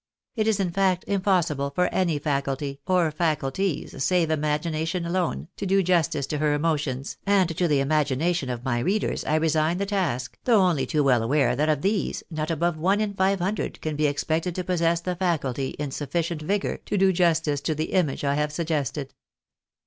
It is in fact impossible for any faculty, or faculties, save imagination alone, to do justice to licT emotions, and to the imagination of my readers I resign the task, though only too well aware that of these, not above one in five hundred can be expected to possess the faculty in suflicient vigour to do justice to the image I have suggested.